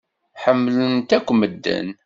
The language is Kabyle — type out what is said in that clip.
Ḥemmlemt akk medden.